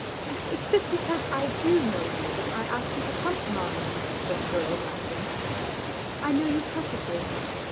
..."" It's just because I do know you that I ask you to come to morrow," said the girl, laughing. " I know you perfectly.